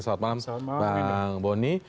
selamat malam bang boni